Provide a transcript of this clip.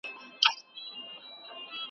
هر مزل مو له پېړیو د اشنا په وینو سور دی ,